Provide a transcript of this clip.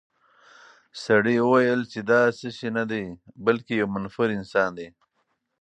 سړي وویل چې دا څه شی نه دی، بلکې یو منفور انسان دی.